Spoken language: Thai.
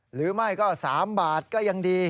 หรือไม่ก็๓บาทก็ยังดี